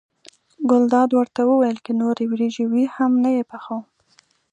ګلداد ورته وویل که نورې وریجې وي هم نه یې پخوم.